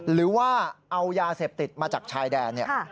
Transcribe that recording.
หรือว่าเอายาเสพติดมาจากชายแดนเนี่ย